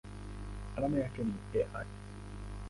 Alama yake ni Al.